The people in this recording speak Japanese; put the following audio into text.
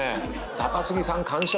高杉さん完食！